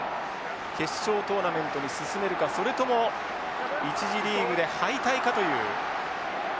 決勝トーナメントに進めるかそれとも１次リーグで敗退かという大一番になりました。